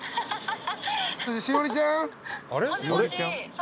栞里ちゃん。